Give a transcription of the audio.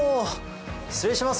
失礼します